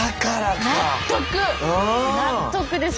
納得です